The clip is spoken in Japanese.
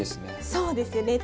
そうですよね。